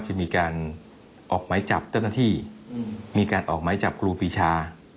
จะมีการออกหมายจับเจ้าหน้าที่มีการออกหมายจับครูปีชา